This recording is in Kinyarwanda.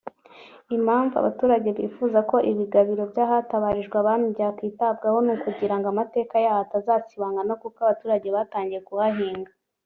Impamvu abaturage bifuza ko ibigabiro by’ahatabarijwe abami byakwitawaho ni ukugirango amateka yaho atazasibangana kuko abaturage batangiye kuhahinga